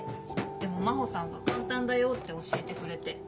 でも真帆さんが「簡単だよ」って教えてくれて。